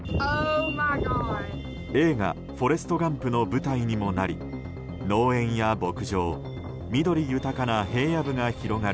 映画「フォレスト・ガンプ」の舞台にもなり農園や牧場緑豊かな平野部が広がる